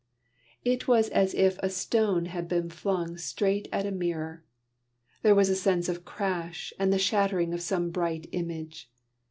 It was as if a stone had been flung straight at a mirror. There was a sense of crash and the shattering of some bright image.